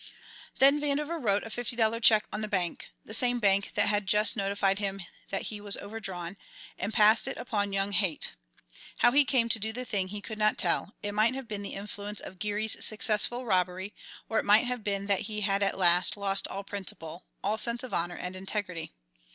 Then Vandover wrote a fifty dollar check on the bank the same bank that had just notified him that he was overdrawn and passed it upon young Haight. How he came to do the thing he could not tell; it might have been the influence of Geary's successful robbery, or it might have been that he had at last lost all principle, all sense of honour and integrity.